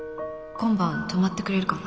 今晩泊まってくれるかな？